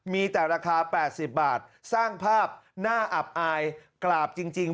มีแต่ราคา๘๐บาทสร้างภาพน่าอับอายกราบจริง